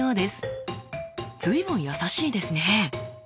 随分優しいですね。